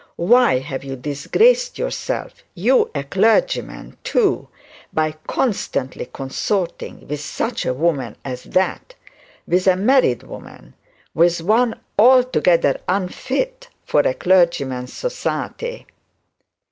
Why have you disgraced yourself, you a clergyman, by constantly consorting with such a woman as that with a married woman with one altogether unfit for a clergyman's society?'